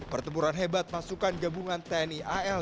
pertempuran hebat pasukan gabungan tni al